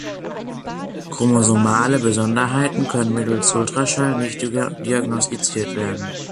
Chromosomale Besonderheiten können mittels Ultraschall nicht diagnostiziert werden.